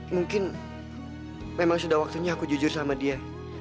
mungkin memang sudah waktunya aku jujur sama dia